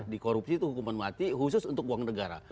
di korupsi itu hukuman mati khusus untuk uang negara